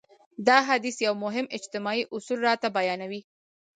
دا حديث يو مهم اجتماعي اصول راته بيانوي.